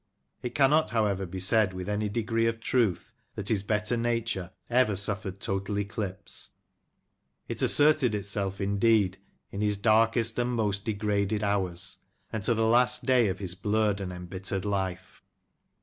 It cannot, however, be said with any degree of truth that his better nature ever suffered total eclipse. It asserted itself, indeed, in his darkest and most degraded hours, and to the last day of his blurred and embittered life.